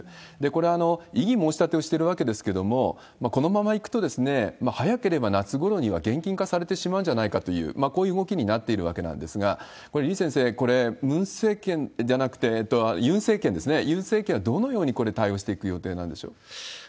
これ、異議申し立てをしているわけですけれども、このままいくと、早ければ夏ごろには現金化されてしまうんじゃないかという、こういう動きになってるわけなんですが、これ、李先生、ムン政権じゃなくて、ユン政権ですね、ユン政権はどのように、これ、対応していく予定なんでしょう。